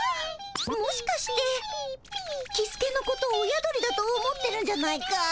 もしかしてキスケのこと親鳥だと思ってるんじゃないかい？